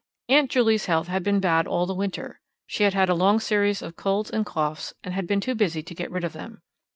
Aunt Juley's health had been bad all the winter. She had had a long series of colds and coughs, and had been too busy to get rid of them.